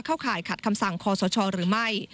เข้าข่ายขาดคำสั่งคศหรือไม่